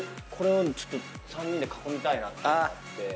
これを３人で囲みたいなと。